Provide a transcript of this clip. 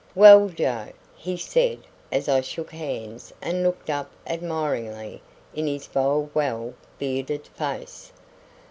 "Well, Joe," he said as I shook hands and looked up admiringly in his bold well bearded face.